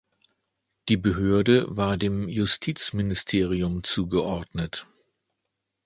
Die Behörde war dem Justizministerium zugeordnet.